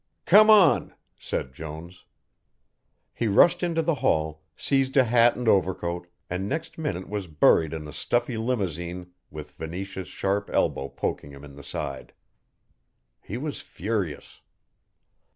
"Come on," said Jones. He rushed into the hall, seized a hat and overcoat, and next minute was buried in a stuffy limousine with Venetia's sharp elbow poking him in the side. He was furious.